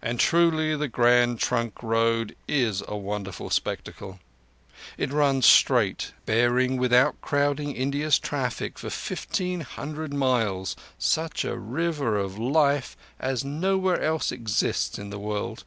And truly the Grand Trunk Road is a wonderful spectacle. It runs straight, bearing without crowding India's traffic for fifteen hundred miles—such a river of life as nowhere else exists in the world.